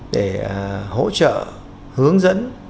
để hỗ trợ hướng dẫn